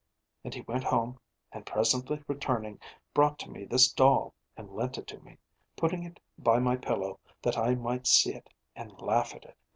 And he went home and, presently returning, brought to me this doll, and lent it to me putting it by my pillow that I might see it and laugh at it.